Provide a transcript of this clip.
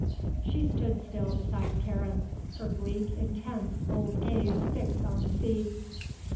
She stood still beside Karen, her bleak, intense old gaze fixed on the sea.